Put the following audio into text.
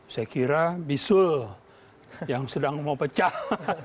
saya kira bisul yang sedang mau pecah